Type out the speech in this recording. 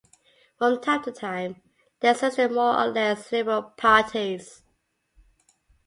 From time to time there existed more or less liberal parties.